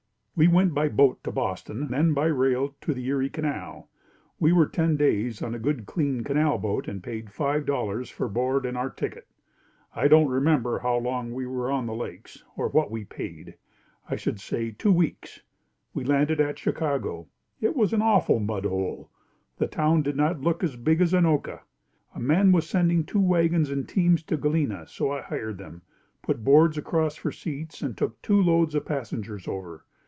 We went by boat to Boston, then by rail to the Erie canal. We were ten days on a good clean canal boat and paid five dollars for board and our ticket. I don't remember how long we were on the lakes or what we paid. I should say two weeks. We landed at Chicago. It was an awful mudhole. The town did not look as big as Anoka. A man was sending two wagons and teams to Galena, so I hired them, put boards across for seats and took two loads of passengers over.